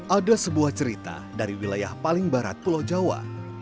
ada sebuah cerita dari wilayah paling barat pulau jawa